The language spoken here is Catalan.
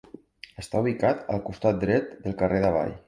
Està ubicat al costat dret del carrer d'Avall.